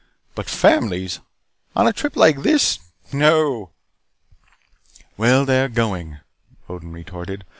But families on a trip like this. No!" "Well, they're going," Odin retorted.